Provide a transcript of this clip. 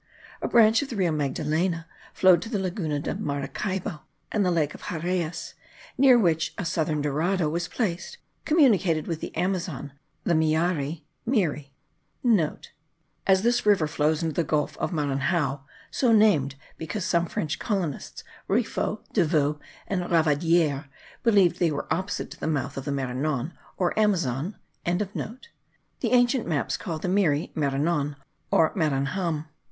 A branch of the Rio Magdalena flowed to the Laguna de Maracaybo; and the lake of Xarayes, near which a southern Dorado was placed, communicated with the Amazon, the Miari* (Meary) (* As this river flows into the gulf of Maranhao (so named because some French colonists, Rifault, De Vaux, and Ravadiere, believed they were opposite the mouth of the Maranon or Amazon), the ancient maps call the Meary Maranon, or Maranham.